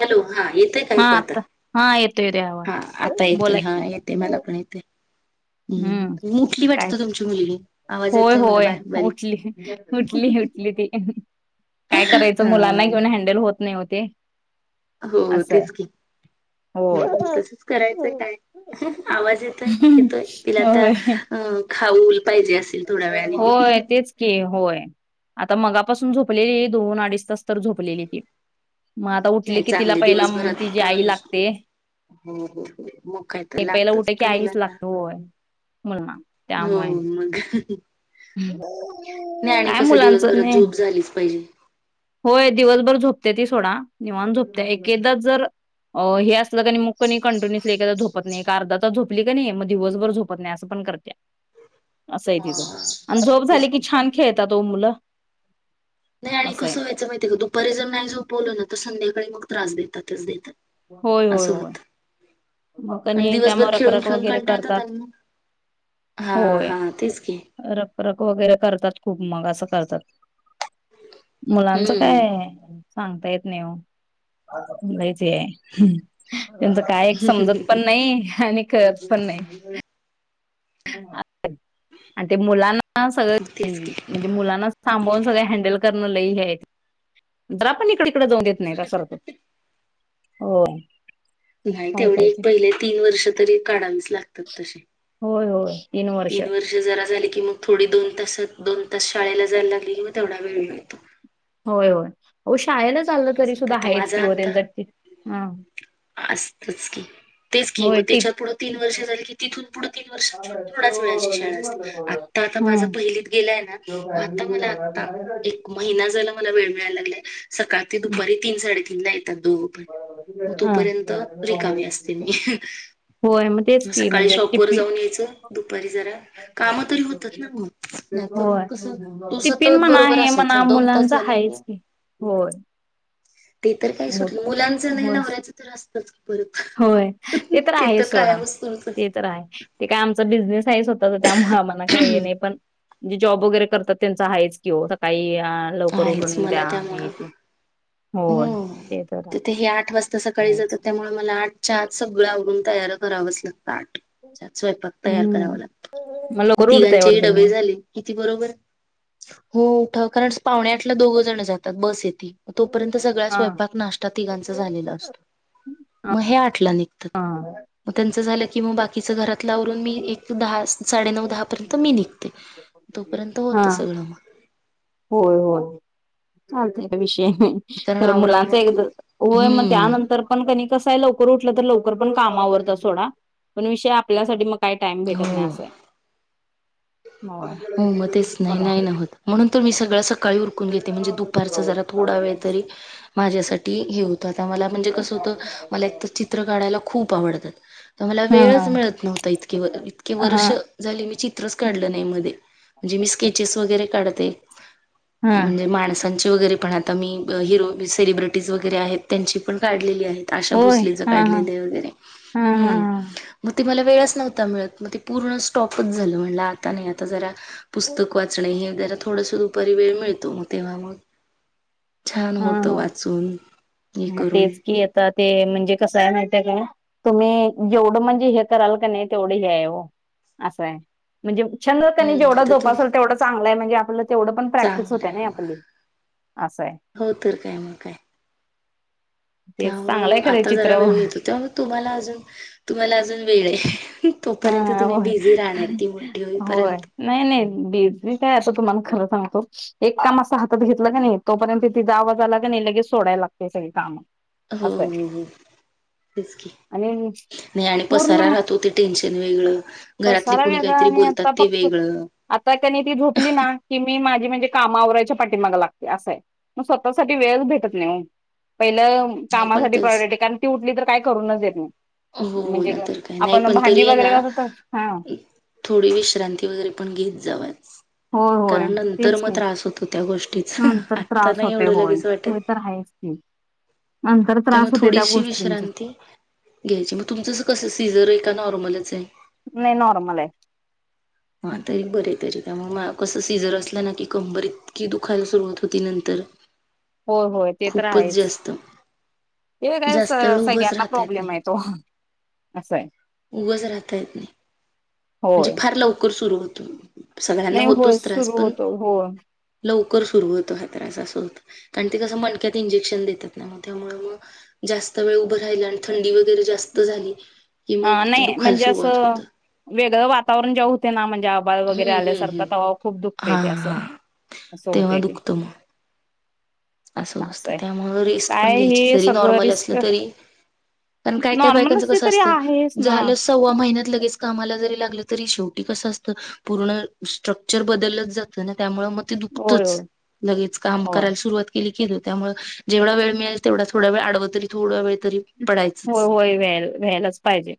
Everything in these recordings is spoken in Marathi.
हॅलो, हा येतय का हा ऐकू आता? हा येतोय येतोय आवाज हा आता येतोय बोला हा की येत ते मला पण येते. हम्म हम् ऊठली काय वाटतं तुमची मुलगी आवाज होय येतोय मला होय बारीक बारीक. उठली उठली उठली ती, काय करायचं मुलांना हा घेऊन हँडल होत नाही ओ ते. हो असं आहे तेच की, हम होय तेच. करायचं काय, आवाज येतोय? येतोय, तिला आता होय अ खाऊ पाहिजे असेल. थोड्या वेळाने होय नाही तेच की होय, आता मगापासून झोपलेली दोन अडीच तास तर झोपलेली ती. मग आता उठले की तिला चांगले पहिला तिझी दिवसभरात अ आई लागते. हो हो मग काय [inaudible] तर हे पहिला लागतच उठले की त्या आईच मुलांना लागते होय. मुलाना हो त्यामुळे. मग नाही आणि काय कसं मुलांचं दिवसभरात नाही. झोप झालीच पाहिजे [inaudible] होय दिवसभर झोपते ती सोडा निवांत झोपते, एक-एकदा जर अ हे असलं कणी मग कणी कंटिन्युअसली एखादा झोपत नाही एक अर्धा तास झोपली कणी मग दिवसभर झोपत नाही असं पण करत. [inaudible] असंय हा तिचं आणि झोप झाली की छान खेळता ओ मुलं. नाही आणि असं आहे. कसं व्हायचं माहितीय का दुपारी जर नाही जोपवल ना तर संध्याकाळी मग त्रास देतातच देतात. होय होय होय. मग आणि कणी दिवसभर त्यामुळे रखरख खेळून-खेळून वगैरे कणटाळातात करतात. त्यातुन. हा होय. हा, तेच की. रखरख वगैरे करतात खूप मग असं करतात. मुलांचं हम्म काय सांगता येत नाही ओ, लयच हे हाय. हम्म, त्यांचं काय एक समजत पण नाही आणि कळत पण नाही. आ - ते, आणि ते मुलांना सगळ, तेच की म्हणजे मुलांना. सांभाळुन सगळे हँडल करणं लय हे हायत. जरापण इकडं-इकडं जाऊनदेत नाही का सारखं. हो. नाही तेवढी पहिले तीन वर्ष तरी काढावीच लागतात तशे. होय होय. तीन वर्ष जरा झाली की मग थोडी दोन तासत - दोन तास शाळेला जायला लागली की मंग तेवढा वेळ मिळतो. होय होय, ओ शाळेला चाललं तरी असं होतं. सुद्धा आता हायच की माझा ओ त्यांच टिप, हां. आसतंच की. तेच की मंग टीप त्याच्या पुढं तीन वर्ष झाली की तिथून पुढं तीन वर्ष थोड्याच वेळाची शाळा असते आता आता माझा हम्म. पहिलीत गेलाय ना, आता मला आता एक महिना झालं मला वेळ मिळायला लागलाय, सकाळ ते दुपारी तीन साडेतीन ला येतात दोघ. मग हा तोपर्यंत रिकामी असते मी. होय तेच मग की सकाळी म्हणजे शॉपवर टिपी जाऊन यायचं दुपारी जरा कामं तरी होतात ना. नाहीतर मग होय. कसं तुझं टिफिन तर म्हणा बरोबर हे आसलं म्हणा चल दोन तास मुलांच झाले की. आहेच होय. ते तर काय मुल सुटलं. मुलांचं नाई होय नवऱ्यांचं तर असतंच. परत. होय ते तर आहे सोडा, ते तर हाय. ते काय आमचं बिझनेस हाय स्वतःच त्या म्ह आम्हाला काय हे नाई पण जे जॉब वगैरे करतात त्यांच हायचं की ओ सकाळी आं लवकर आहेच उठून मला द्या हे त्यामुळं ते. होय. हम्म, ते तर तिथेही आठ वाजता सकाळी जातात आहेच. त्यामुळे मला आठ च्या आत सगळं आवरून तयार करावंच लागतं आठ. स्वयपाक तयार हम्म. करावा लागतो, मग लवकर उठताय तिघांचेही वाटतं तुम्ही? डबे झाले. किती बरोबर हो उठाव कारण पावणे आठला दोघजण जातात बस येते. तोपर्यंत सगळा हा. स्वयंपाक नाष्टा तिघांचा झालेला असतो. मग हे आठला निघतात. हा. मंग त्यांच झाल की मग बाकीच घरातल आवरून मी एक दहा -स साडेनऊ दहा पर्यंत मी निघते तोपर्यंत हा. होतं सगळ मग. होय होय चालतय विषय कारण तर आवराव मुलांच मग एकदा होय मग हम्म त्यानंतर. पण कणी कसाय लवकर उठलं तर लवकर पण काम आवरत्यात सोडा. पण विषय आपल्यासाठी मग काय टाईम भेटत नाय हो. असय. होय हो मग तेच नाही पण नाही ना होत म्हणून तर मी सगळ सकाळी उरकून घेते म्हणजे दुपारच जरा थोडा वेळ तरी माझ्यासाठी हे होत त्याचा मला म्हणजे कस होत मला एकतर चित्र काढायला खूप आवडत‌ तर मला हा वेळच मिळत नव्हता इतके-वर इतके हा वर्ष झाली मी चित्रच काढल नाय मधे. जी मी स्केचेस वगैरे काढते हा म्हणजे माणसं त्यांचे वगैरे पण आता मी अ - हिरो [unintelligible] सेलिब्रेटीज वगैरे आहेत त्यांची पण काढलेली आहेत. आशा होय भोसलेच हा हा काढलेल वगैरे. हा हा हम्म मग ते मला वेळच नव्हता मिळत मग ते पूर्ण स्टॉपच झाल म्हणलं आता नाही आता जरा हा पुस्तक वाचणे हे जरा थोडसं दुपारी वेळ मिळतो मग तेव्हा मग. छान हा होत हा वाचून. हे करून. तर ते म्हणजे कसायं माहिते का. तुम्ही जेवढं म्हणजे हे कराल कणी तेवढं् हे हाय ओ असाय. म्हणजे छंद कणी हम्म जेवढा आता तू जोपासाल तेवढा चांगलाय म्हणजे आपल तेवढ पण प्रॅक्टिस चांगलं होत्यान आहे हो आपली असाय. हो तर काय मग काय. तेच त्यामुळ चांगलंय मंग खरं आता जरा चित्र वेळ मिळतो त्यामुळ तुम्हाला आजून तुम्हाला आजून वेळय. तोपर्यंत हा तुम्ही बिझी राहणार की मोठी होईपर्यंत. नाय नाय बी जी काय असल तुम्हाला खरं सांगतो. एक काम असं हातात घेतलं कणीय तोपर्यंत तिजा आवाज आला कणी लगेच सोडाय लागतेय सगळी काम. हो हं हं. तेच की. आणि नाय आणि पसारा पूर्ण राहतो ते टेन्शन वेगळ. पसारा वेगळा आणि आता फक्त आता कनी ती झोपली ना की मी माझी माझी म्हणजे काम आवरायच्या पाठीमाग लागते असय मग स्वतःसाठी वेळच भेटत नाही हो. पहिल नाही पण कामासाठी तस प्रायोरिटी कारण ती उठली तर काय करूनच देत नाही हो म्हणजे ना तर काय नाही आपण पण भांडी तरी ये वगैरे ना घासत हा थोडी विश्रांती वगैरे पण घेत जावा. होय होय कारण नंतर तेच मग की त्रास होतो त्या गोष्टीचा नंतर आत्ता त्रास नाही होते एवढ होय लगेच वाटत. ते तर आहेच की नंतर त्यामुळ त्रास होते त्या थोडीशी गोष्टींचा विश्रांती घ्यायची मग तुमचं कस सीझर आहे का नॉर्मलच आहे? नाही नॉर्मल आहे. [inaudible] हा तरी बरे तरी त्यामुळे कस सिजर असल ना की कंबर इतकी दुखायला सुरुवात होती नंतर. [inaudible] होय होय ते तर खूपच आहेच जास्त हे काय जास्त वेळ उभंच स-सगळ्यांना राहता येत प्रॉब्लेम आहेत. तो असाय. उभच राहता येत नाही. म्हणजे होय फार लवकर सुरू होतो सगळ्यांना नाही होय होतोच त्रास सुरू पण होतो होय लवकर सुरू होतो हा त्रास असं होत कारण ते कसं मणक्यात इंजेक्शन देतात ना मग त्यामुळे मग जास्त वेळ उभं राहिल आणि थंडी वगैरे जास्त झाली की अ मग ते नाही दुखायला म्हणजे सुरुवात असं होत. वेगळं वातावरण जेव्हा हुतंय ना म्हणजे आभा भाळ वगैरे हम्म हम्म हम्म आल्यासारखा तवा खूप दुखतय हा ते अस, हा असं तेव्हा होतय ते. दुखतं मग असं असतं. त्यामुळ रेस्ट पण काय घ्यायची हे जरी सगळं नॉर्मल असलं रिस्क तरी पण काय, काय नॉर्मल बायकांच असली कस तरी असतं आहेच ना झालं सव्वा महिन्यात लगेच कामाला जरी लागलं तरी शेवटी कसं असतं. पूर्ण स्ट्रक्चर बदलच जातं ना. त्यामुळे मग ते होय दुखतच. होय लगेच काम होय करायला सुरुवात केली, केली त्यामुळं जेवढा वेळ मिळेल तेवढा थोडा वेळ आडव तरी थोडा वेळ तरी होय, पडायचंच होय, व्हाय व्यायलाच पाहिजे.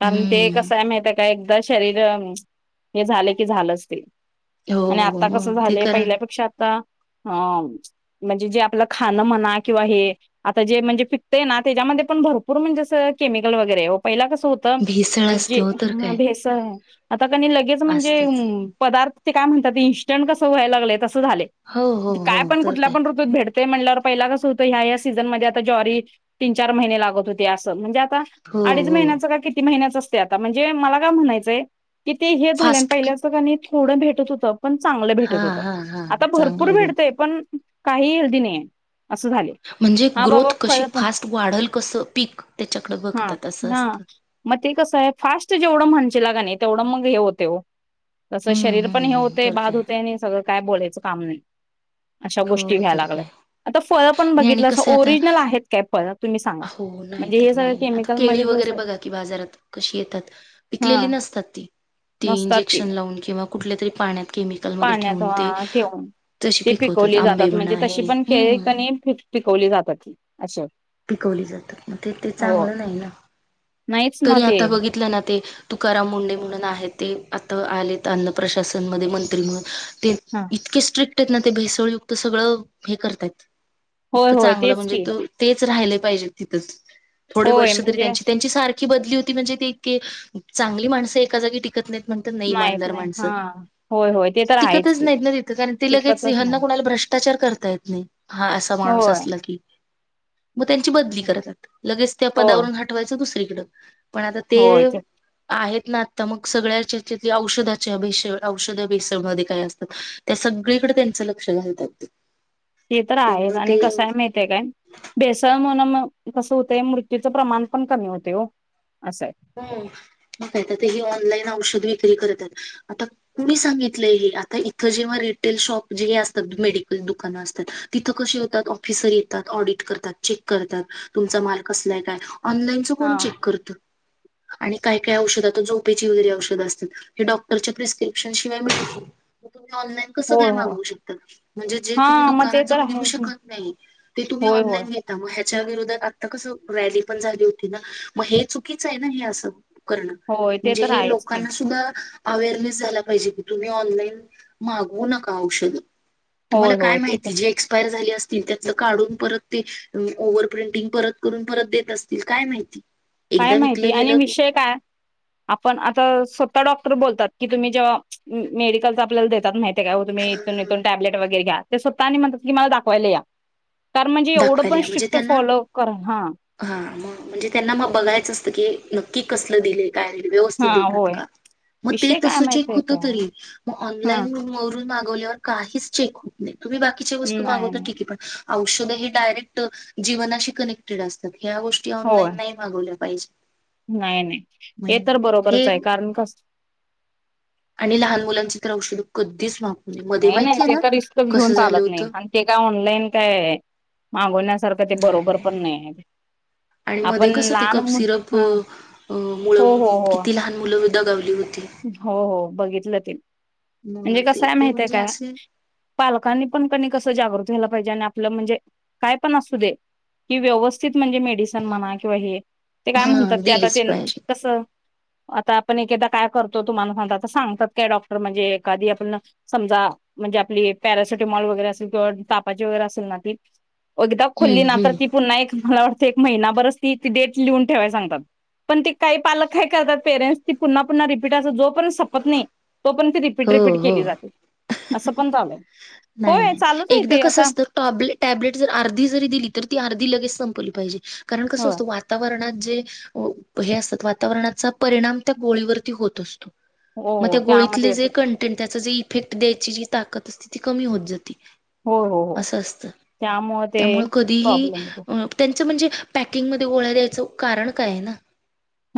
कारण ते हम्म कसंय माहिती आहे का य. एकदा शरीर, हे झाल की झालंच ते. हो आणि हो आता मग कसं ते झालंय कारण पहिल्यापेक्षा आता हा, म्हणजे जे आपलं खाणं म्हणा किंवा हे आता जे म्हणजे पिकतय ना तेज्या मध्ये पण भरपुर म्हणजे अस केमिकल वगैरे आहे वो. पहिला कस होत भेसळ जे, असते हो तर ह काय भेसळ आता कनी लगेच म्हणजे असतच पदार्थ ते काय म्हणतात. इंस्टंट कस व्हाय लागलय तंस झालय. हो हो हो काय पण तर कुठल्या काय पण ऋतूत भेटत ते म्हणल्यावर पहिला कस हुतं ह्या- ह्या सीझन मध्ये आता ज्वारी. तीन-चार महिने लागत होते असं म्हणजे आता हो अडीच हो महिन्याचं का किती महिन्याच असतय, आता म्हणजे मला काय म्हणायचंय ते हे झाल्यान. फास्ट पहिल्याच कणी नाही थोडं भेटत होतं पण चांगलं हा भेटत होत. हा हा आता चांगलं भरपूर होईल भेटतय पण काही हेल्दी नाहीय असं झालय. म्हणजे ग्रोथ कशी फास्ट वाढल कसं, पीक त्याच्याकडे हा बघतात असं हा असतं. मग ते कसं हाय. फास्ट जेवढं म्हणशीला कनी तेवढं मग हे होतयं वो. तसं हम्म शरीर पण हम्म हे हम्म होतय, तर बांद काय होतय आणि सगळं काय बोलायचं काम नाही. अशा गोष्टी हो व्हाय तर लागल्यात. काय आता फळ पण नाही आणि बघितलांसा कसं आहे ओरिजिनल आता आहेत काय फळ? हो नाहीत तर नाही, नाही आता केळी वगैरे असं बघा कि बाजारात कशी येतात. हा पिकलेली नसतात ती. ती नसतात ते इंजेक्शन लावून, किंवा कुठल्या तरी पाण्यात केमिकलमध्ये पाण्यात ठेवून ते अ ठेवून. तशी ती पिकवतात. पिकवली आंबे जातात म्हणजे म्हणा तशी हे पण केळी हम्म कणी खूप पिकवली जातात अस. पिकवली जातात. म ते, ते चांगलं नाही ना. नाहीच ना तरी ते आता बघितलं ना ते तुकाराम मुंडे म्हणून आहेत ते आता आले अन्न प्रशासनमध्ये मंत्री म्हणून ते हा. इतके स्ट्रिक्ट आहेत ना ते भेसळयुक्त सगळं हे करतायत. होय इतकं होय चांगलं तेच म्हणजे की तो तेच राहिले पाहिजे तिथचं, थोडे होय वर्ष तरी म्हणजे त्यांची. त्यांची सारख बदली होती म्हणजे ते इतके, चांगली माणसं एका जागी टिक नाहीत म्हणत्यात, नाही नाहीत इमानदार नाही माणसं हा होय होय ते तर आहेच टीकतच की नाहीत ना तिथं, कारण ती लगेच टिकतच ह्यांना नाही कुणाला भ्रष्टाचार करतायत. हम, हा असा माणूस होय. असला की. म त्यांची बदली करतात. लगेच त्या होय पदावरून हटवायचं दुसरीकड पण आता ते आहेत ना आता, मग सगळ्याच्याचं औषधाच्या भेसळ औषध भेसळमध्ये काय असतात. त्या सगळीकडे त्यांचं लक्ष घालतात ते. ते तर आहे त्यामुळे आणि कसाय हाय माहीत काय भेसळ मुळं, म कस होतय मृत्यूचं प्रमाण पण कमी होतेय वो. अस हाय. हम्म, मग काय तर ते ऑनलाईन औषध विक्री करत्यात. आता कुणी सांगितलंय हे, आता इथं जेव्हा रिटेल शॉप जे असतात मेडिकल दुकानं असत्यात. तिथं कसे होतात ऑफिसर येतात ऑडिट करतात चेक करतात तुमचा माल कसलाय काय ऑनलाईन. चुकून हा. चेक करत. आणि काय काय औषधता झोपेची वगैरे औषधं असतात हे डॉक्टरच्या प्रिस्क्रिप्शन शिवाय मळ ''--'' कुठून बी ऑनलाईन. काय होय होय मागू शकत म्हणजे जे तुम्ही हा मग दुकानात ते तर जाऊनघ आहेच ना शकत नाही ते तुम्ही होय होय ऑनलाईन घ''--'' मग ह्याच्या विरोधात आता कसं रॅली पण झाली होती ना मग हे चुकीच आहे ना हे असं. करणं होय ते म्हणजे तर हे आहेच की. लोकांना सुद्धा. अवे अरनेस झाला पाहिजे की तुम्ही ऑनलाईन मागवू नका औषधं. तुम्हाला होय काय होय ते तर माहिती जी एक्सपायर झाली अस''--'' ते त्याचं काढून परत ते ओव्हर प्रिंटिंग परत करून परत देत असतील काय माहिती. एकदाम वि ''--'' हे आणि विषय काय. आपण आता स्वतः डॉक्टर बोलतात की तुम्ही जेव्हा मेडिकल आपल्याला देतात माहित. ते काय हो तुम् इथून इथून टॅब्ट वगैरे घ्या ते स्वतः आणि म्हणात की मला दाखवायला या. तर म्हणजे एवढं दाखवायला पण या म्हणजे स्ट्रिक्ट त्यांना फॉलो कर हा. हा मग म्हणजे त्यांना मग बघायचं असतं की नक्की कसलं दिले. काय रे हा व्यवस्थित देतात होय का मग ते विषय काय तस चेक माहितय होत काय तरी म हा ऑनलान वरून. मागवल्यावर काहीच चेक होत नाही तुम्ही बाकीच्या वस्तू नाही मागवता नाही ठीेके पण औषध डायरेक्ट जीवनाशी कनेक्टेड असतात ह्या गोष्टी होय. ऑनलाईन नाही मागवल्या पाहिजे. नाही नाही हे मग तर बरोबरच हे आहे कारण कस. आणि लहान मुलांची तर औषध कधीच मा ''--'' नाही नाही ते का रिस्त घेऊन चालत नाही होतं आणि ते काय ऑनलाईन काय. मागवण्यासारखं ते बरोबर पण नाही आहे बाई. आणि मध्ये कस ते कप सिरप ह हो मुळम हो हो किती लहान. मुलंविध गावली होती. हो हो, बघितलं ते मग म्हणजे ते कसय ते माहित आहे म्हणजे काय. असे पालकांनी पण कनाय कसं जागृत व्हायला पाहिजे आणि आपलं म्हणजे काय पण असू दे. की व्यवस्थित म्हणजे मेडी. सन किवा हे काय हा म्हणतात ते आ दिलीच पाहिजेत. कस आता आपण एक एकदा. काय करतो तुम्हाला सांगता सांगतात काय डॉक्टर म्हणजे एखदी आपण. समजा म्हणजे आपली पॅरासिटमॉल वगैरे असेल किंवा तापाची वगैरे असेल ना ती. एकगदा खोल्ली हम्म ना तर हम्म. ती पुन्हा एक मला वाटतं एक महिनाभरच ती त डेट लिहून ठेवाय सांगतात. पण ती काही पालक काय करतात पेरेंट्स ती पुन. पुन्हा रिपीट अस जो पर् सपत नाही तो पर्य ती रिपीट रिपीट हो हो केली जाते असं पण चालंय. नाही नाही एकदा कसं असत. टॅब टॅब्लेट जर अर्धी जरी दिली तर ती अर्धी लगेच संपवली पाहिजे कारण कसं हो असत वात. वातावरणात जे हे असतात वातावरणाचा परिणाम त्या गोळीवरती होत असतो. हो मग हो त्या त्यामध्ये गोळीतले जे येत कं''--'' त्या जे इफेक्ट द्यायची जी ताकत असते ती कमी होत जाते. हो हो हो असं असत त्यामुळे कधीही प्रॉब्लेम येतो अ. त्यांचं म्हणजे पॅकिंगमध्ये गोळ्या द्यायचं कारण काय आहे ना.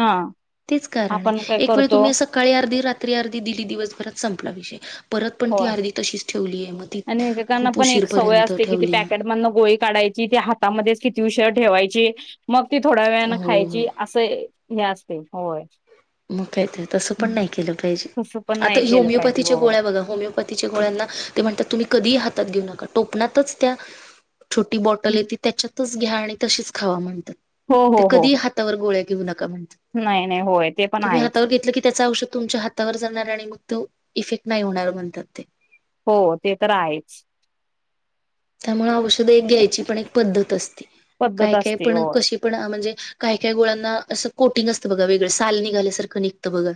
हा तेच कारण आपण आहे काय एक वेळ करतो तुम्ही असं. कळी अर्धी रात्री अर्धी दिली दिवसभरात संपला विषय परत पण हो ती अर्धी तशीच. ठेवली आहे मग ती आणि एक एकांना खूप पण एक सवय उशीरपर्यंत असते कि ठेवली आहे. पॅकेट. मदन गोळी काढायची ते हातामध्येच किती उषर ठेवायची मग ती थोड्या वेळा हो खायची हो असं. असय हे असते, होय. मग काय तें, तसं पण नाही केलं पाहिजे, तसं पण आता नाही केलं पाहिजे होमिओपॅथीच्या हो. गोळ्या बघ त होमिओपथीच्या गोळ्यांना तें म्हणतात, तुम्ही कधीही हातात घेऊ नका, टोपनातंच त्या छोटी बॉटल येती, त्याच्यातच घ्या आणि तशीच खावा म्हणतात, हो हो तें हो कधीही हो हात तवर गोळ्या घेऊ नका, म्हणत नाही नाही, होय. ते पण तुम्ही आहेच हातावर घेतलं की, त्याचं औषध तुमच्या हातावर जाणार आणि मग तो, इफेक्ट नाही होणार म्हणतात ते. हो, ते तर आहेच. त्यामुळं औषध एक घ्यायची पण एक पद्धत असती, पद्धत काय-काय असते पण हो कशी पण अ म्हणजे काही काय गोळ्यांना असं कोटिंग असतं बघा वेगळं, साल निघाल्यासारखं निघतं बघा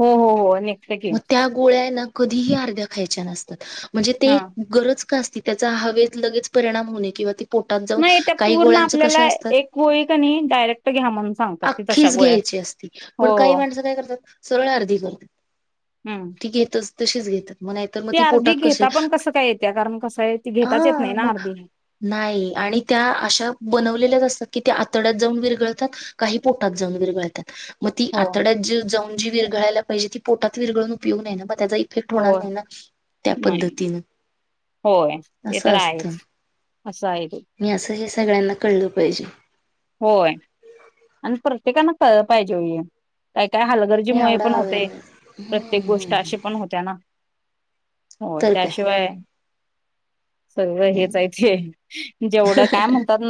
हो. हो. हो नेक्स्ट घे. गळ्याना कधीही अर्ध्या खायच्या नसतात, म्हणजे ते हा गरज का असती त्याचा हवेत लगेच परिणाम होणे किंवा ते पोटात जाऊन, नाही त्या काही पूर्ण गोळ्यांच कश आपल्याला असतात, एक गोळी कणी डायरेक्ट घ्या म्हणून सांगतात ती तशा अक्खीच गोळ्या असतात. घ्यायची अस ती, हो पण हो काही माणसं काय करतात, सरळ अर्धी करतात, ती घेतच, तशीच घेतात. मग नाहीतर मग ते ती अर्धी पोटात घेता पण कसं काय येत्या, कारण कसं य? आहणं मं नाही आणि त्या अशा बनवलेल्याच असतात, की त्या आतड्यात जाऊन विरघळतात. काही पोटात जाऊन विरगळतात. म ती हो आतड्यात जी जाऊन जी विरघळायला पाहिजे, ती पोटात विरळून उपयोग नाही ना, म त्याचा ई हो, नाही, होय. ते तर असं असत, आहेच असं आहे ते नि असं हे सगळ्यांना, कळलं पाहिजे. होय आणि प्रत्येकांना कळलं पाहिजे ओ ये, काय काय हालत हे गरजेमुळे आवडा पण होतय, अवेअरनेस प्रत्येक हम्म गोष्ट अशी पण होत्या ना. हो, तर काय त्याशिवाय सगळं हेच हाय चे, जेवढं काय म्हणतात ना